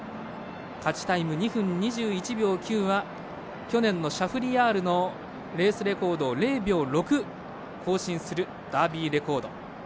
勝ちタイム２分２１秒９というのは去年のシャフリヤールのレースレコードを０秒６更新するダービーレコード。